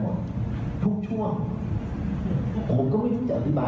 รถตึกจับกูได้หละ